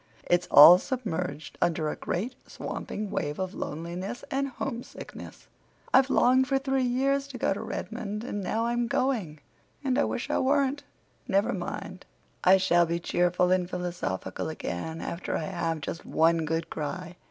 "It's all submerged under a great, swamping wave of loneliness and homesickness. I've longed for three years to go to Redmond—and now I'm going—and I wish I weren't! Never mind! I shall be cheerful and philosophical again after I have just one good cry.